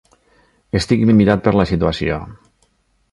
Estic limitat per la situació.